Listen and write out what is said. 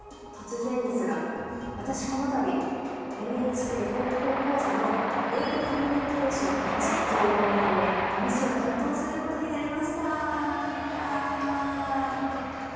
突然ですが私この度「ＮＨＫ高校講座」の「英語コミュニケーションⅠ」という番組でＭＣを担当することになりました。